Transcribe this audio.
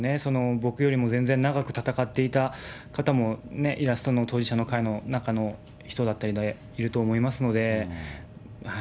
僕よりも全然長く戦っていた方もね、当事者の会の中の人だったりいると思いますので。